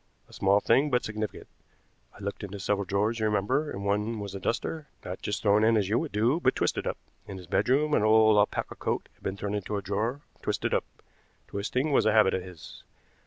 A small thing, but significant. I looked into several drawers, you remember. In one was a duster, not just thrown in as you would do, but twisted up. In his bedroom an old alpaca coat had been thrown into a drawer, twisted up. Twisting was a habit of his.